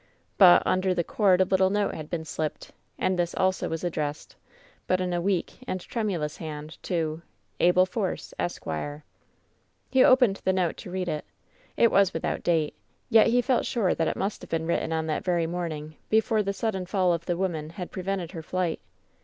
But under the cord a little note had been slipped, and this also was addressed — ^but in a weak and tremulous hand — ^to: "Abel Force, Esq." He opened the note to read it. It was without date ; yet he felt sure that it must have been written on that very morning before the sudden fall of the woman had prevented her flight.